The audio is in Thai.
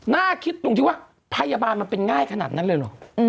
น่าคิดตรงที่ว่าพยาบาลมันเป็นง่ายขนาดนั้นเลยเหรอ